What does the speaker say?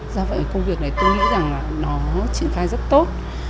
do vậy công việc này tôi nghĩ rằng là nó triển khai rất tốt